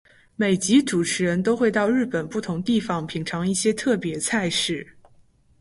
每集主持人都会到日本不同地方品尝一些特别菜式。